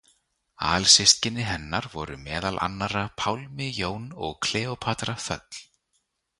Alsystkini hennar voru meðal annarra Pálmi Jón og Kleópatra Þöll.